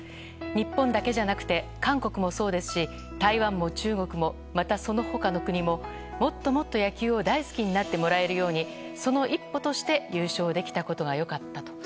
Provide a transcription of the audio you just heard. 日本だけじゃなくて韓国もそうですし、台湾も中国もまたその他の国ももっともっと野球を大好きになってもらえるようにその一歩として優勝できたことが良かったと。